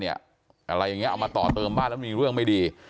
อะไรอย่างนี้เอามาต่อเติมบ้านแล้วมีเรื่องไม่ดี